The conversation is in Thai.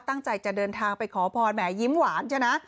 ตั้งใจจะเดินทางไปขอพรแหมยิ้มหวาน